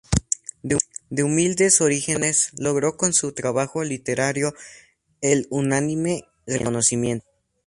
De humildes orígenes, logró con su trabajo literario el unánime reconocimiento.